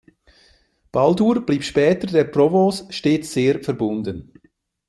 Balladur blieb später der Provence stets sehr verbunden.